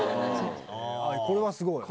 これはすごい。